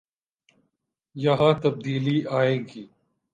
یہاں تبدیلی آئے گی۔